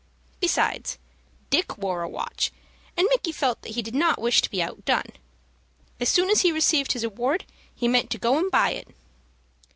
Besides, Dick wore a watch, and Micky felt that he did not wish to be outdone. As soon as he received his reward he meant to go and buy it.